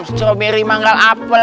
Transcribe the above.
stroberi manggal apel